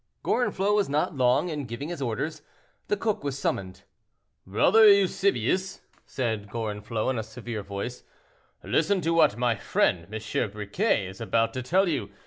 Gorenflot was not long in giving his orders. The cook was summoned. "Brother Eusebius," said Gorenflot, in a severe voice, "listen to what my friend M. Briquet is about to tell you.